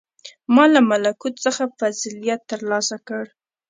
• ما له ملکوت څخه فضیلت تر لاسه کړ.